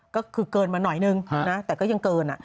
ก็คือเกินมาหน่อยนึงนะแต่ก็ยังเกิน